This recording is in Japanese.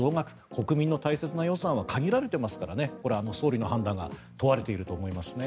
国民の大切な予算は限られていますから総理の判断が問われていると思いますね。